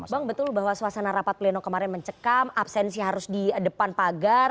bang betul bahwa suasana rapat pleno kemarin mencekam absensi harus di depan pagar